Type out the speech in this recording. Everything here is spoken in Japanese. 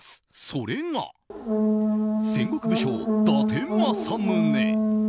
それが、戦国武将・伊達政宗。